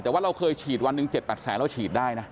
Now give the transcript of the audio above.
แต่ว่าเราเคยฉีดวันหนึ่ง๗๘แสนเราฉีดได้นะ